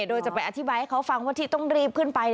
โดยจะไปอธิบายให้เขาฟังว่าที่ต้องรีบขึ้นไป